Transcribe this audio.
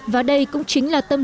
và đây cũng chính là lợi ích